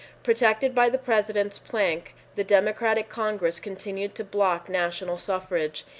Protected by the President's plank, the Democratic Congress continued to block national suffrage.